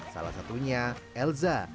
salah satunya elza